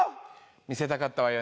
見せたかったわよね。